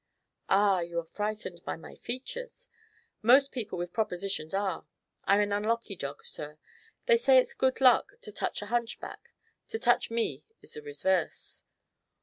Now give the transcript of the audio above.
"Ah; you're frightened by my features. Most people with propositions are. I'm an unlucky dog, sir. They say it's good luck to touch a hunchback; to touch me is the reverse.